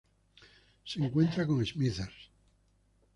Se encuentra con Smithers.